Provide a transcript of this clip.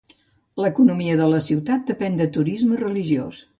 L'economia de la ciutat depèn de turisme religiós.